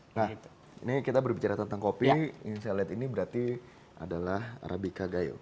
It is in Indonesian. nah ini kita berbicara tentang kopi yang saya lihat ini berarti adalah arabica gayo